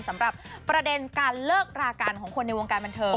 สำหรับประเด็นการเลิกรากันของคนในวงการบันเทิง